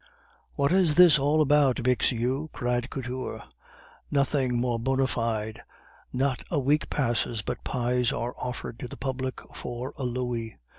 "What is this all about, Bixiou?" cried Couture. "Nothing more bona fide. Not a week passes but pies are offered to the public for a louis.